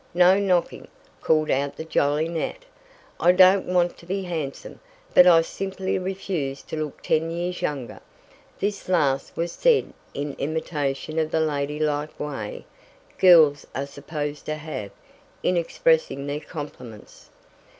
No knocking!" called out the jolly Nat. "I don't want to be handsome, but I simply refuse to look ten years younger!" This last was said in imitation of the "lady like way" girls are supposed to have in expressing their compliments.